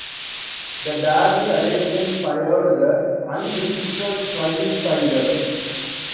The Darley Arabian sired the undefeated Flying Childers.